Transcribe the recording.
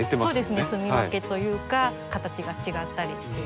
すみ分けというか形が違ったりしている。